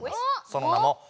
その名もお！